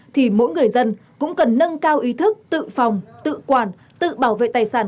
thì mỗi người dân cũng cần nâng cao ý thức tự phòng tự quản tự bảo vệ tài sản